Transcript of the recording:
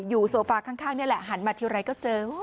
โซฟาข้างนี่แหละหันมาทีไรก็เจอ